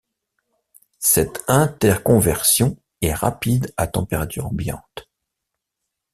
Cette interconversion est rapide à température ambiante.